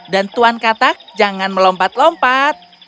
dan tuan katak jangan melompat lompat